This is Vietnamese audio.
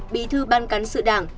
bí thư ban cắn sự đảng